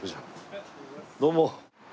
どうも。